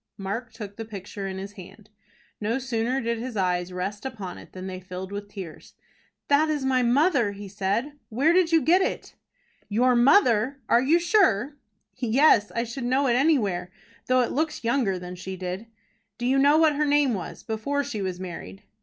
Mark took the picture in his hand. No sooner did his eyes rest upon it than they filled with tears. "That is my mother" he said. "Where did you get it?" "Your mother! Are you sure?" "Yes; I should know it anywhere, though it looks younger than she did." "Do you know what her name was, before she was married?"